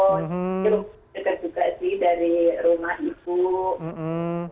terus dekat juga sih dari rumah ibu